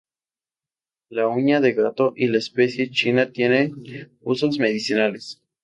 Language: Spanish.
La uña de gato y la especie china tienen usos medicinales.